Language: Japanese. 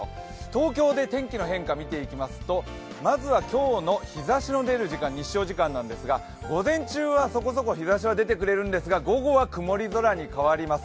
東京で天気の変化、見ていきますとまずは今日の日ざしの出る時間日照時間なんですが、午前中はそこそ日差しは出てくるんですが午後は曇り空に変わります。